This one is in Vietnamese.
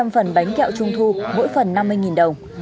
ba trăm linh phần bánh kẹo trung thu mỗi phần năm mươi đồng